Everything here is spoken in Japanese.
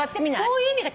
そういう意味か。